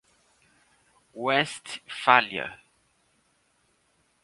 Westfália